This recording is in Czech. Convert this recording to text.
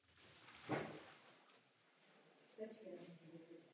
Mezi nimi se nachází křížek na kamenném podstavci.